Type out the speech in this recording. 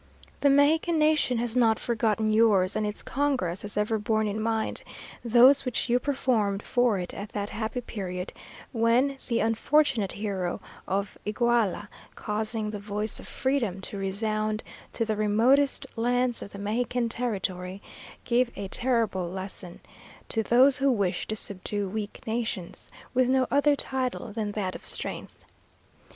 The Mexican nation has not forgotten yours, and its congress has ever borne in mind those which you performed for it at that happy period when the unfortunate hero of Iguala, causing the voice of freedom to resound to the remotest lands of the Mexican territory, gave a terrible lesson to those who wish to subdue weak nations, with no other title than that of strength.